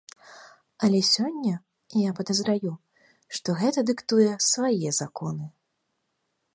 Але сёння, я падазраю, што гэта дыктуе свае законы.